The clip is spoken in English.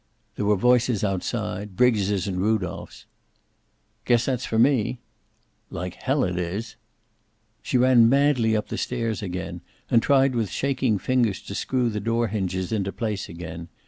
There were voices outside, Briggs's and Rudolph's. "Guess that's for me." "Like hell it is." She ran madly up the stairs again, and tried with shaking fingers to screw the door hinges into place again.